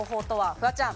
フワちゃん。